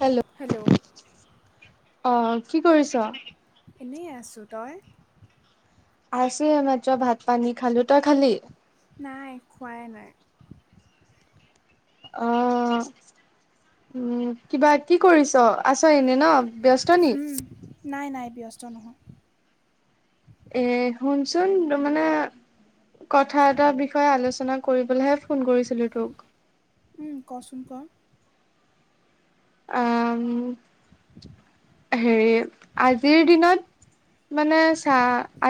Hello অ কি কৰিছ? এনেই আছোঁ তই? আছে মাত্ৰ ভাত পানী খালো তই খালি? নাই খোৱাই নাই। অ উম কিবা কি কৰিছ আছ এনেই ন। ব্যস্ত নি? উম, নাই নাই ব্যস্ত নহয়। এ শুনচোন তাৰমানে। কথা এটাৰ বিষয়ে আলোচনা কৰিবলৈহে ফোন কৰিছিলো তোক। উম কচোন ক। উম হেৰি আজিৰ দিনত মানে চা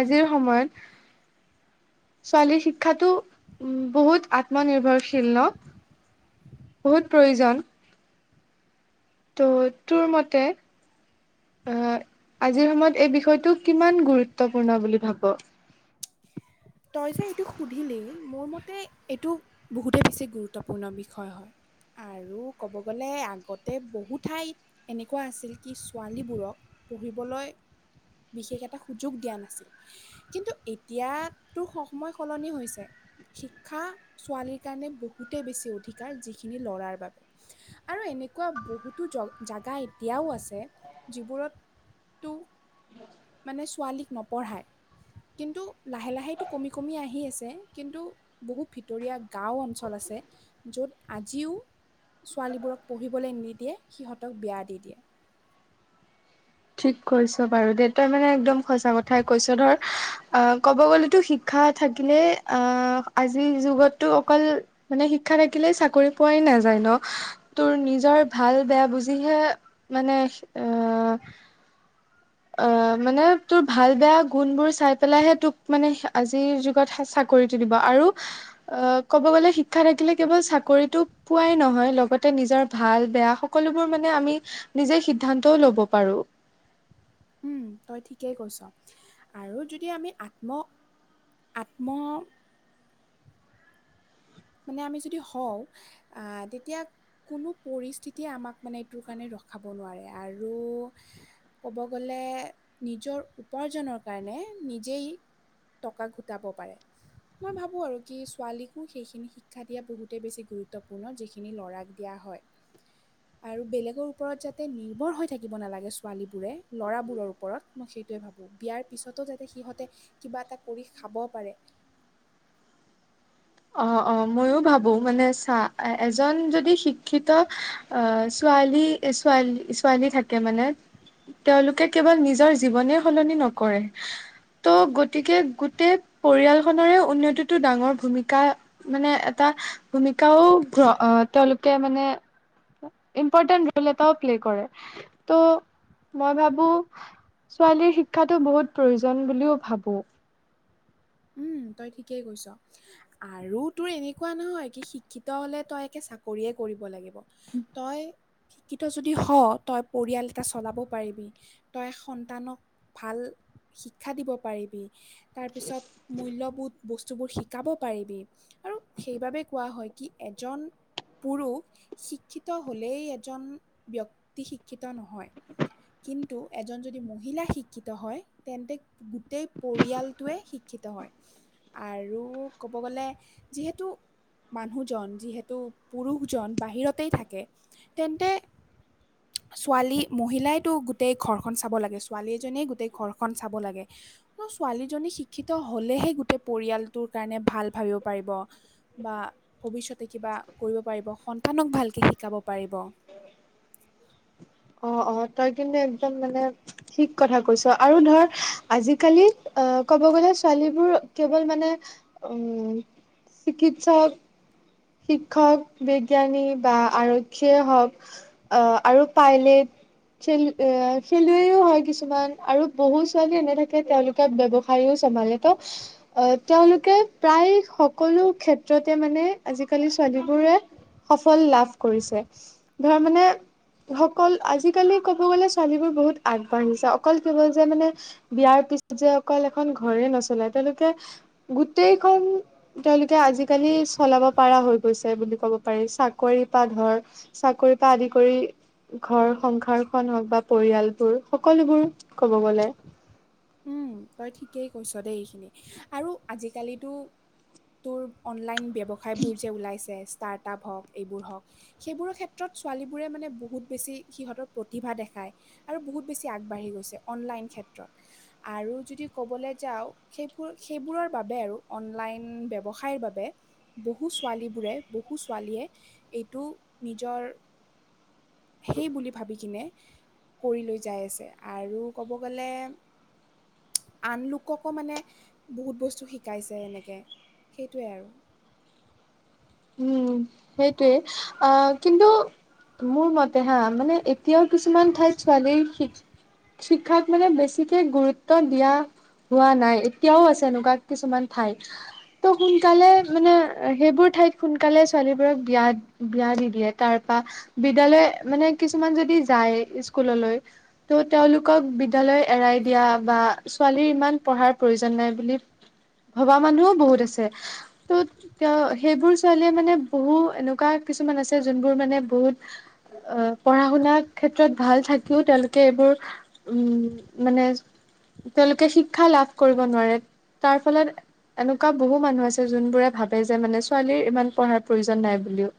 আজিৰ সময়ত ছোৱালীৰ শিক্ষাটো বহুত আত্মনিৰ্ভৰশীল ন। বহুত প্ৰয়োজন। ত' তোৰ মতে আহ আজিৰ সময়ত এই বিষয়টো কিমান গুৰুত্বপূৰ্ণ বুলি ভাব? তই যে এইটো সুধিলি মোৰ মতে এইটো বহুতেই বেছি গুৰুত্বপূৰ্ণ বিষয় হয়। আৰু ক'ব গ'লে আগতে বহু ঠাইত এনেকুৱা আছিল কি ছোৱালীবোৰক পঢ়িবলৈ বিশেষ এটা সুযোগ দিয়া নাছিল কিন্তু এতিয়া তোৰ সময়ৰ সলনি হৈছে। শিক্ষা ছোৱালীৰ কাৰণে বহুতেই বেছি অধিকাৰ যিখিনি ল'ৰাৰ বাবে আৰু এনেকুৱা বহুতো জ জাগা এতিয়াও আছে যিবোৰত উ [unintelligible] মানে ছোৱালীক নপঢ়ায়। কিন্তু লাহে লাহেতো কমি কমি আহি আছে কিন্তু বহুত ভিতৰীয়া গাওঁ অঞ্চল আছে। যে য'ত আজিও ছোৱালীবোৰক পঢ়িবলৈ নিদিয়ে। সিহঁতক বিয়া দি দিয়ে। [unintelligible] ঠিক কৈছ বাৰু দেউতা মানে একদম সচা কথাই কৈছ ধৰ অ' ক'ব গলেতো শিক্ষা শিক্ষা থাকিলে অ' আজিৰ যুগতো অকল মানে শিক্ষা থাকিলে চাকৰি পোৱাই নাই। ন ন তোৰ নিজৰ ভাল বেয়া বুজিহে মানে আহ [unintelligible] অ' মানে তোৰ ভাল বেয়া গুণ বোৰ চাই পেলাইহে তোক মানে আজিৰ যুগত চাক গঢ়ি তুলিব আৰু অ' ক'ব গ'লে শিক্ষা থাকিলে কেৱল চাকৰিটো পোৱাই নহয় লগতে নিজৰ ভাল বেয়া সকলোবোৰ মানে আমি নিজে সিদ্ধান্তও ল'ব পাৰো। উম তই ঠিকেই কৈছ আৰু যদি আমি আত্ম আত্ম মানে আমি যদি হওঁ অহ তেতিয়া- কোনো পৰিস্থিতিয়ে আমাক মানে এইটোৰ কাৰণে ৰখাব নোৱাৰে আৰু ক'ব গ'লে এ‌ নিজৰ উপাৰ্জনৰ কাৰণে নিজেই টকা ঘটাব পাৰে মই ভাবো আৰু কি ছোৱালীকো সেইখিনি। শিক্ষা দিয়া বহুতেই বেছি গুৰুত্বপূৰ্ণ যিখিনি ল'ৰাক দিয়া হয়। আৰু বেলেগৰ ওপৰত যাতে নিৰ্ভৰ হৈ থাকিব নালাগে ছোৱালী বোৰে লৰাবোৰৰ ওপৰত। সেইটোয়ে ভাবো বিয়াৰ পিছতো যাতে সিহঁতে কিবা এটা কৰি খাব পাৰে। [inaudible] [unintelligible] অহ অহ মইয়ো ভাবো মানে চা এজন যদি শিক্ষিত অহ ছোৱা ছোৱালী ছোৱালী ছোৱালী থাকে মানে। তেওঁলোকে কেৱল নিজৰ জীৱনে সলনি নকৰে। ত' গতিকে গোটেই পৰিয়াল খনেৰে উন্নতিতটো ডাঙৰ ভূমিকা। কা মানে এটা ভূমিকাও তেওঁলোকে মানে। ইম্পৰ্টানট ৰোল এটাও প্লে কৰে ত'। মই ভাবো ছোৱালীৰ শিক্ষাটো বহুত প্ৰয়োজন বুলিও ভাবো। উম [inaudible] তই ঠিকেই কৈছ আৰু তোৰ এনেকুৱা নহয় কি শিক্ষিত হ'লে তই একে চাকৰিয়ে কৰিব লাগিব। তই। শিক্ষিত যদি হ তই পৰিয়াল এটা চলাব পাৰিবি তই সন্তানক। ভাল শিক্ষা দিব পাৰিবি তাৰপিছত মূল্যবোধ। বস্তুবোৰ শিকাব পাৰিবি আৰু সেইবাবে কোৱা হয় কি এজন। পুৰুষ শিক্ষিত হলেই এজন ব্যক্তি শিক্ষিত নহয়। কিন্তু এজন যদি মহিলা শিক্ষিত হয় তেন্তে গোটেই পৰিয়ালটোৱে শিক্ষ শিক্ষিত হয় আৰু ক'ব গ'লে যিহেতু। মানুহজন যিহেতু পুৰুষজন বাহিৰতেই থাকে তেন্তে। ছোৱালী মহিলাইতো গোটেই ঘৰখন চাব লাগে ছোৱালী এজনীয়ে গোটেই ঘৰখন চাব লাগে। অহ ছোৱালীজনী শিক্ষি। শিক্ষিত হলেহে গোটেই পৰিয়ালটোৰ কাৰণে ভাল ভাবিব পাৰিব বা ভৱিষ্যতৰ কিবা। বা কৰিব পাৰিব সন্তানক ভালকৈ শিকাব পাৰিব। [unintelligible] অহ অহ তই কিন্তু একদম মানে ঠিক কথা কৈছ আৰু ধৰ আজিকালি অহ কব গলে ছোৱালীবোৰ কেৱল মানে উম চিকিৎসক। শিক্ষক বিজ্ঞানী বা আৰক্ষীয়ে হওঁক অহ আৰু পাইলেট। খেল এ খেলুৱৈও হয় কিছুমান আৰু বহু ছোৱালী এনে থাকে তেওঁলোকে ব্যৱসায়ো। আহ তেওঁলোকে প্ৰায় সকলো ক্ষেত্ৰতে মানে। আজিকালি ছোৱালীবোৰে সফল লাভ কৰিছে ধৰ মানে। যি সকল‌ অকল আজিকালি ক'ব গ'লে ছোৱালী বোৰ বহুত আগবাঢ়িছে অকল কেৱল যে মানে বিয়াৰ। যে অকল এখন ঘৰে নচলাই তেওঁলোকে গোটেইখন তেওঁলোকে আজিকালি। কি চলাব। পাৰ হৈ গৈছে বুলি ক'ব পাৰি চাকৰি পা ঘৰ চাকৰি পা আদি কৰি। ঘৰ সংসাৰখন হওঁক বা পৰিয়ালবোৰ সকলোবোৰ কব গলে। উম তই ঠিকেই কৈছ দেই আৰু আজিকালিতো। তোৰ অনলাইন ব্যৱসায়বোৰ যে ওলাইছে। ষ্টাৰ্টআপ হওঁক এইবোৰ হওঁক সেইবোৰৰ ক্ষেত্ৰত ছোৱালীবোৰে মানে বহুত বেছি সিহঁতৰ প্ৰতিভা দেখা। আৰু বহুত বেছি আগবাঢ়ি গৈছে অনলাইন ক্ষেত্ৰত। আৰু যদি ক'বলৈ যাওঁ সেইবোৰ সেইবোৰৰ বাবে আৰু অনলাইন ব্যৱসায়ৰ বাবে। বহু ছোৱালীবোৰে বহু ছোৱালীয়ে এইটো নিজৰ। [inaudible] সেই বুলি ভাবি কিনে কৰি লৈ যাই আছে আৰু ক'ব গ'লে। আন লোককো মানে বহুত বস্তু শিকাইছে এনেকে। সেইটোৱে আৰু। উম সেইটোৱে অ কিন্তু মোৰ মতে হা মানে এতিয়াও কিছুমান ঠাইত ছোৱালীৰ শি ক্ষাক মানে বেছিকে গুৰুত্ব দিয়া হোৱা নাই এতিয়াও আছে এনেকোৱা কিছুমান ঠাই ত' সোনকালে মানে সেইবোৰ ঠাইত সোনকালে ছোৱালীবোৰক বিয়া বিয়া দি দিয়ে তাৰপা বিদ্যালয় মানে কিছুমান যদি যা দাৰেক স্কুললৈ তেওঁ তেওঁলোকক বিদ্যালয়ৰ এৰাই দিয়া বা ছোৱালী ইমান পঢ়া পঢ়াৰ প্ৰয়োজন নাই বুলি, ভবা মানুহো বহুত আছে ত তেতিয়া সেইবোৰ ছোৱালীয়ে মানে বহু এনেকোৱা কিছুমান আছে যোনবোৰ মানে বহুত অ পঢ়া -শুনাত ক্ষেত্ৰত ভাল থাকিও তেওঁলোকে এইবোৰ উম! মানে তেওঁলোকে শিক্ষা লাভ কৰিব নোৱাৰে। তাৰ ফলত এনেকুৱা বহু মানুহ আছে জোনবোৰে ভাবে যে মানে ছোৱালীৰ ইমান পঢ়াৰ প্ৰয়োজন নাই বুলিও।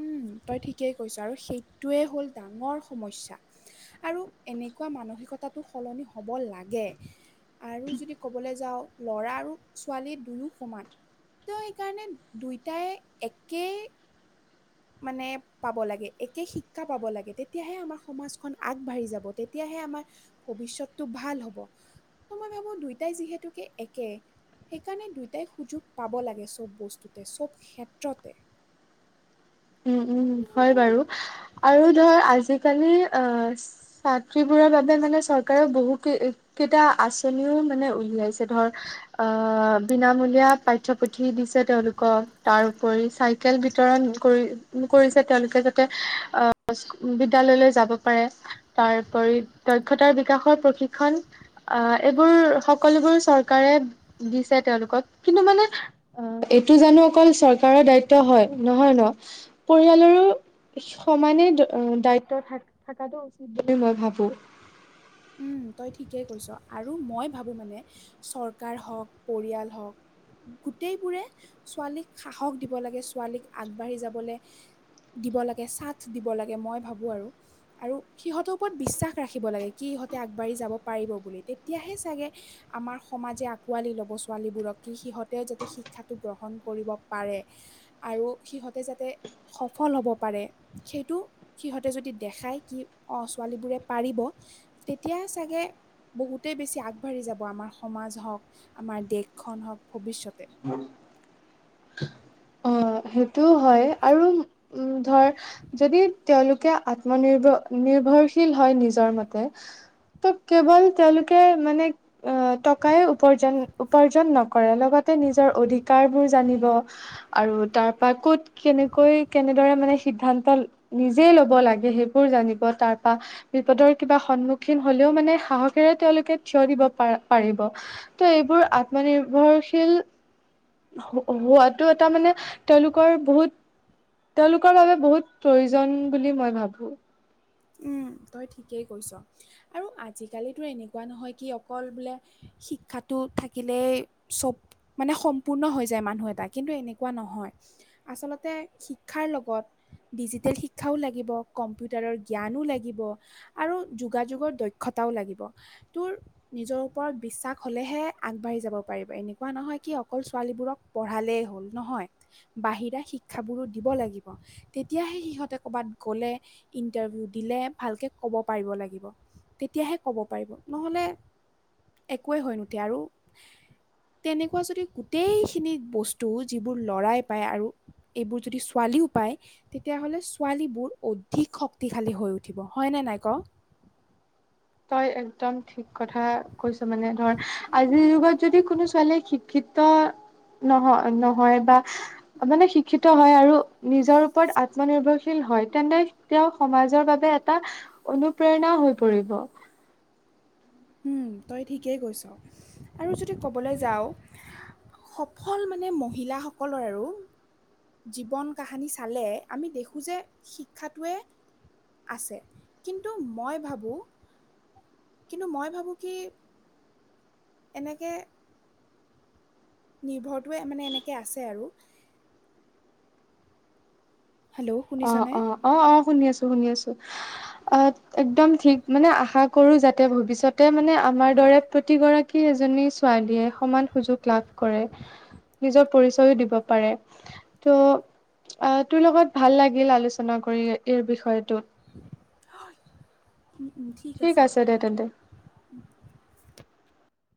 উম, তই ঠিকেই কৈছ আৰু সেইটোৱে হ'ল ডাঙৰ সমস্যা আৰু এনেকুৱা মানসিক কথাতো সলনি হ'ব লাগে, আৰু যদি ক'বলৈ যাওঁ ল'ৰা আৰু ছোৱালী দুয়ো সমান। তো সেইকাৰণে দুয়োটাই একেই মানে পাব লাগে একে শিক্ষা পাব লাগে তেতিয়াহে আমাৰ সমাজখন আগবাঢ়ি যাব। তেতিয়াহে আমাৰ ভৱিষ্যতটো ভাল হব ত মই ভাবো দুয়টাই যিহেতুকে একে সেইকাৰণে দুয়োটাই সুযোগ পাব লাগে সব বস্তুতে সব ক্ষেত্ৰতে। উম! উম! হয় বাৰু আৰু ধৰ আজিকালি অ ছাত্ৰীবোৰ মানে চৰকাৰেও বহুকেটা আচনিও মানে উলিয়াইছে ধৰ অহ অ বিনামূলীয়া পাঠ্যপুথি দিছে তেওঁলোকক তাৰপৰি চাইকেল বিতৰণ কৰি কৰিছে তেওঁলোকে যাতে আহ বিদ্যালয়লৈ যাব পাৰে তাৰ প্ৰ দক্ষতাৰ বিকাশৰ প্ৰশিক্ষণ আহ এইবোৰ সকলোবোৰ চৰকাৰে দিছে তেওঁলোকক কিন্তু মানে অ এইটো জানো অকল চৰকাৰৰ দায়িত্ব হয় নহয় ন। পৰিয়ালৰো সমানে দায়িত্ব থ থকাটো উচিত বুলি মই ভাবো [inaudible] উম, তই ঠিকেই কৈছ আৰু মই ভাবো মানে চৰকাৰ হওক পৰিয়াল হওক গোটেইবোৰে ছোৱালীক সাহস দিব লাগে ছোৱালীক আগবাঢ়ি যাবলে। দিব লাগে চাথ দিব লাগে মই ভাবো আৰু আৰু সিহঁতৰ ওপৰত বিশ্বাস ৰাখিব লাগে। কিহঁতে আগবাঢ়ি যাব পাৰিব বুলি তেতিয়াহে চাগে আমাৰ সমাজে আঁকোৱালি ল'ব ছোৱালীবোৰক। সিহঁতেও যাতে শিক্ষাটো গ্ৰহণ কৰিব পাৰে আৰু সিহঁতে যাতে স ফল হ'ব পাৰে সেইটো সিহঁতে যদি দেখায় কি অ ছোৱালীবোৰে পাৰিব- তেতিয়া চাগে বহুতেই বেছি আগবাঢ়ি যাব আমাৰ সমাজ হওঁক আমাৰ দেশখন হওঁক ভৱিষ্যতে [unintelligible] অ সেইটো হয় আৰু উম ধৰ যদি তেওঁলোকে আত্মনিৰ্ভ নিৰ্ভৰশীল হয় নিজৰ মতে ত কেৱল তেওঁলোকে মানে টকাই উপাৰ্জন উপাৰ্জন নকৰে লগত নিজৰ অধিকাৰ বোৰ জানিব আৰু তাৰপা ক'ত কেনেকৈ কেনেদৰে মানে সিদ্ধান্ত নিজে ল'ব লাগে সেইবোৰ জানিব তাৰপা বিপদৰ কিবা সন্মুখীন হলেও মানে সাহসেৰে তেওঁলোকে থিয় দিব প পাৰিব। ত এইবোৰ আত্মনিৰ্ভৰশীল হোৱাটো এটা মানে তেওঁলোকৰ বহুত তেওঁলোকৰ বাবে বহুত প্ৰয়োজন বুলি মই ভাবোঁ। উম তই ঠিকেই কৈছ আৰু আজিকালিতো এনেকোৱা নহয় কি অকল বোলে শিক্ষাটো থাকিলেই চব মানে সম্পূৰ্ণ হৈ যায় মানুহ এটা কিন্তু এনেকুৱা নহয়। আচলতে শিক্ষাৰ লগত ডিজিটেল শিক্ষাও লাগিব কম্পিউটাৰৰ। জ্ঞানো লাগিব আৰু যোগাযোগৰ দক্ষতাও লাগিব, তোৰ নিজৰ ওপৰত। বিশ্বাস হলেহে আগবাঢ়ি যাব পাৰিবি এনেকুৱা নহয় কি অকল ছোৱালীবোৰক পঢ়ালেই হ'ল নহয়। বাহিৰা শিক্ষাবোৰো দিব লাগিব তেতিয়াহে সিহঁতে ক'ৰবাত গ'লে। ইণ্টাৰভিউ দিলে ভালকৈ ক'ব পাৰিব লাগিব তেতিয়াহে ক'ব পাৰিব নহ'লে। একোৱেই হৈ নুঠে আৰু। তেনেকুৱা যদি গোটেইখিনি বস্তু যিবোৰ লৰাই পায় আৰু এইবোৰ যদি ছোৱালী। তেতিয়লে ছোৱালী বহুত অধিক। তি খালী হৈ উঠিব হয়নে নাই ক। তই একদম ঠিক কথা কৈছ মানে ধৰ আ। যুগত যদি কোনো ছোৱালীয়ে শিক্ষিত। নহয় নহয় বা মানে শিক্ষিত হয় আৰু নিজৰ ওপৰত আত্মনিৰ্ভৰশীল। হয় তেন্তে তেওঁ সমাজৰ বাবে এটা অনুপ্ৰেৰণাও হৈ পৰিব উম তই ঠিকেই কৈছ আৰু যদি কবলৈ যাও সফল মানে মহিলাসকলৰ আৰু জীৱন কাহিনী চালে আমি দেখো যে শিক্ষাটোৱে আছে কিন্তু মই ভাবো কিন্তু মই ভাবো কি এনেকে নিৰ্ভৰটোৱে মানে এনেকে আছে আৰু হেল্ল' অ শুনিছনে অ অ অ। শুনি আছো শুনি আছো অ একদম ঠিক মানে আশা কৰো যাতে ভৱিষ্যতে মানে। আমাৰ দৰে প্ৰতিগৰাকী এজনী ছোৱালীয়ে সমান সুযোগ লাভ কৰে। নিজৰ পৰিচয়ও দিব পাৰে ত' আহ তোৰ লগত। ভাল লাগিল আলোচনা কৰি এইৰ বিষয়টোত। ঠিক আছে দিয়ক।